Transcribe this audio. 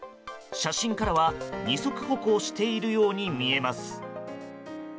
写真からは二足歩行しているように見えます。